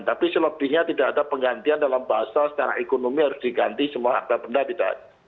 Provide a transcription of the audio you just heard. tapi selebihnya tidak ada penggantian dalam bahasa secara ekonomi harus diganti semua akta benda ditahan